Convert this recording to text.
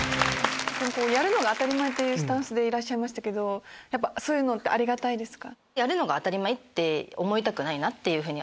やるのが当たり前ってスタンスでいらっしゃいましたけどそういうのってありがたいですか？